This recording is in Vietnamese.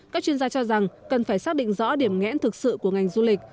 các chuyên gia cho rằng cần phải xác định rõ điểm ngẽn thực sự của ngành du lịch